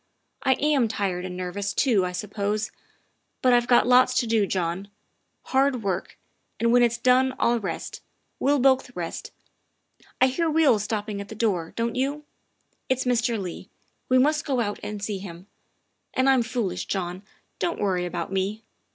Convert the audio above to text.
I am tired and nervous too, I suppose, but I've got lots to do, John, hard work, and when it's done I'll rest. We'll both rest. I hear wheels stopping at the door, don't you? It's Mr. Leigh; we must go out and see to him. And I'm foolish, John don't worry about me.